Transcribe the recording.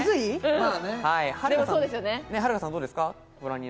はるかさんどうですか？